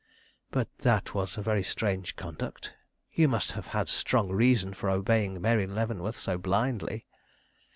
"But that was very strange conduct. You must have had strong reason for obeying Mary Leavenworth so blindly."